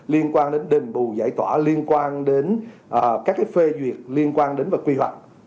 liên quan đến đền bù giải tỏa liên quan đến các phê duyệt liên quan đến vật quy hoạch